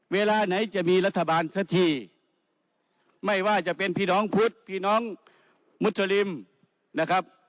เวลาไหนจะมีรัฐบาลสักทีไม่ว่าจะเป็นพี่น้องพุทธพี่น้องมุสลิมนะครับ